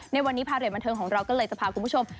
ในวันนี้พาเรทบันเทิงของเราก็เลยจะพาคุณผู้ชม